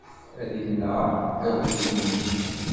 Ad temneɛ aglim-ik.